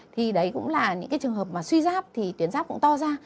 thì đấy cũng là những cái trường hợp mà suy giáp thì tuyến giáp cũng to ra